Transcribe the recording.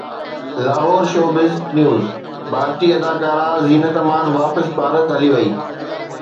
Lahore (showbiz news) ڀارتي اداڪارا زينت امان واپس ڀارت هلي وئي